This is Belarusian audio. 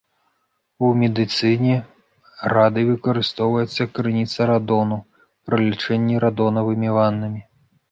У медыцыне радый выкарыстоўваецца як крыніца радону пры лячэнні радонавымі ваннамі.